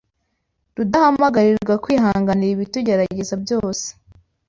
duhamagarirwa kwihanganira ibitugerageza byose